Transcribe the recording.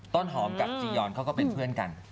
ต้นหอมกับจียอนเขาก็เป็นเพื่อนกัน